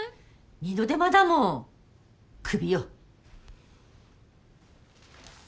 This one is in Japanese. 二度手間だもんクビよ。